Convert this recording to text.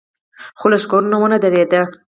خو لښکر ونه درېد.